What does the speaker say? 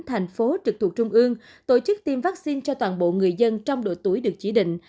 thành phố trực thuộc trung ương tổ chức tiêm vaccine cho toàn bộ người dân trong độ tuổi được chỉ định